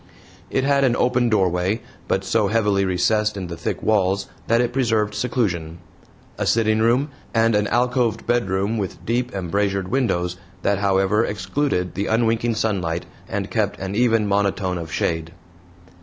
It had an open doorway, but so heavily recessed in the thick walls that it preserved seclusion, a sitting room, and an alcoved bedroom with deep embrasured windows that however excluded the unwinking sunlight and kept an even monotone of shade.